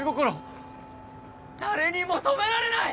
誰にも止められない！